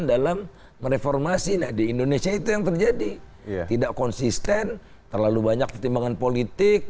dalam mereformasi nah di indonesia itu yang terjadi tidak konsisten terlalu banyak pertimbangan politik